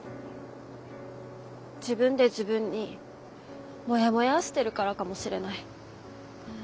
自分で自分にもやもやーしてるからかもしれない。